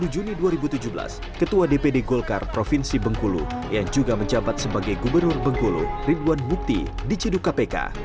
dua puluh juni dua ribu tujuh belas ketua dpd golkar provinsi bengkulu yang juga menjabat sebagai gubernur bengkulu ridwan mukti diciduk kpk